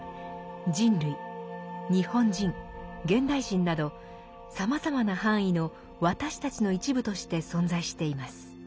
人類日本人現代人などさまざまな範囲の「私たち」の一部として存在しています。